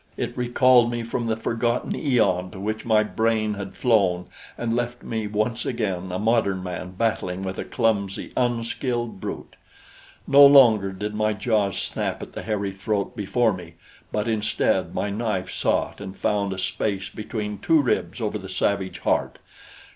It recalled me from the forgotten eon to which my brain had flown and left me once again a modern man battling with a clumsy, unskilled brute. No longer did my jaws snap at the hairy throat before me; but instead my knife sought and found a space between two ribs over the savage heart.